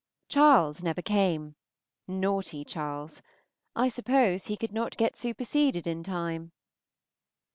Charles never came. Naughty Charles! I suppose he could not get superseded in time.